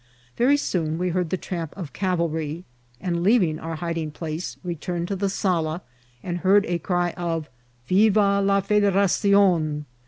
Very soon we heard the tramp of cavalry, and leaving our hiding place, returned to the sala, and heard a cry of " Viva la Federacion